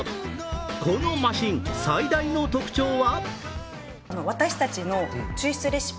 このマシン、最大の特徴は？